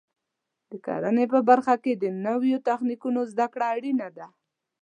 د کرنې په برخه کې د نوو تخنیکونو زده کړه اړینه ده.